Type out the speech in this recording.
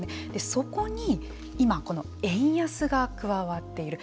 そこに今円安が加わっている。